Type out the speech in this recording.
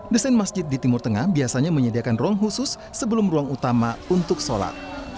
desain masjid di timur tengah biasanya menyediakan ruang khusus sebelum ruang utama untuk sholat